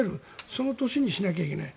その年にしなければいけない。